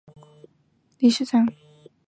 聂荣臻元帅曾担任协会名誉理事长。